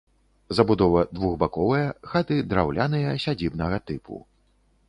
Забудова двухбаковая, хаты драўляныя, сядзібнага тыпу.